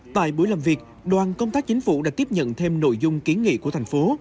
tại buổi làm việc đoàn công tác chính phủ đã tiếp nhận thêm nội dung kiến nghị của thành phố